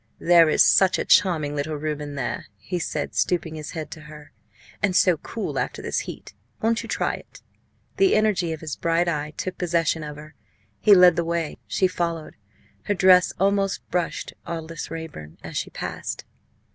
"There is such a charming little room in there," he said, stooping his head to her, "and so cool after this heat. Won't you try it?" The energy of his bright eye took possession of her. He led the way; she followed. Her dress almost brushed Aldous Raeburn as she passed.